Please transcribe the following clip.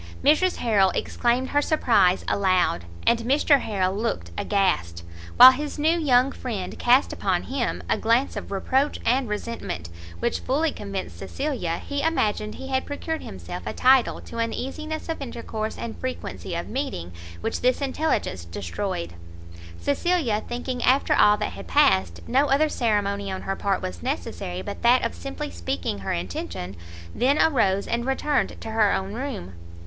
Mrs Harrel exclaimed her surprise aloud, and Mr Harrel looked aghast; while his new young friend cast upon him a glance of reproach and resentment, which fully convinced Cecilia he imagined he had procured himself a title to an easiness of intercourse and frequency of meeting which this intelligence destroyed. Cecilia, thinking after all that had passed, no other ceremony on her part was necessary but that of simply speaking her intention, then arose and returned to her own room.